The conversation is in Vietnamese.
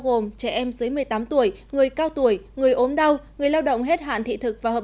gồm trẻ em dưới một mươi tám tuổi người cao tuổi người ốm đau người lao động hết hạn thị thực và hợp